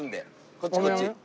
こっちこっち。